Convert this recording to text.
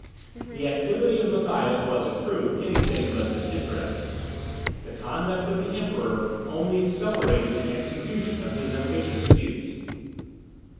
The activity of Matthias was, in truth, anything but disinterested; the conduct of the Emperor only accelerated the execution of his ambitious views.